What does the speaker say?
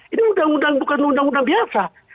ini undang undang bukan undang undang biasa